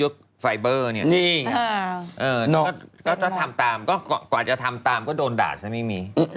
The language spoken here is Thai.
คุณฮาเป็นไหม